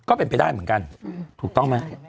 ก็เป็นไปได้เหมือนกันถูกต้องไหม